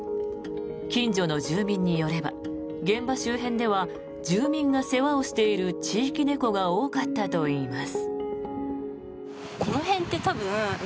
近所の住民によれば現場の周辺では住民が世話をしている地域猫が多かったといいます。